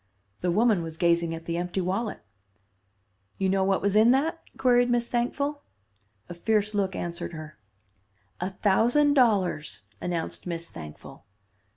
The woman was gazing at the empty wallet. 'You know what was in that?' queried Miss Thankful. A fierce look answered her. 'A thousand dollars!' announced Miss Thankful.